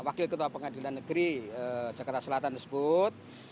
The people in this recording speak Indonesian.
wakil ketua pengadilan negeri jakarta selatan tersebut